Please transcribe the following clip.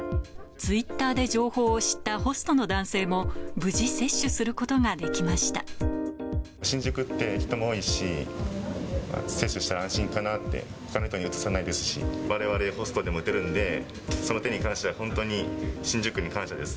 ツイッターで情報を知ったホストの男性も、新宿って人も多いし、接種して安心かなって、ほかの人にうつさないですし、われわれホストでも打てるんで、その点に関しては、本当に新宿区に感謝です。